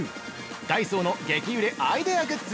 ダイソーの激売れアイデアグッズ